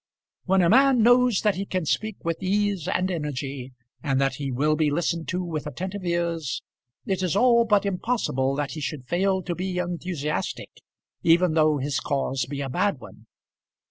When a man knows that he can speak with ease and energy, and that he will be listened to with attentive ears, it is all but impossible that he should fail to be enthusiastic, even though his cause be a bad one.